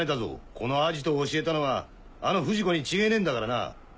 このアジトを教えたのはあの不二子に違ぇねえんだからな。